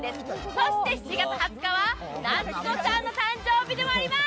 そして７月２０日は、なっちゃんの誕生日でもあります。